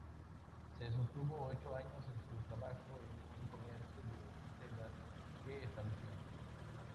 Se sostuvo ocho años con su trabajo en un comercio de sedas que estableció.